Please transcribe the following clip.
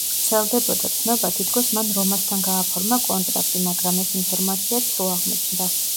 ვრცელდებოდა ცნობა, თითქოს მან „რომასთან“ გააფორმა კონტრაქტი, მაგრამ ეს ინფორმაცია ცრუ აღმოჩნდა.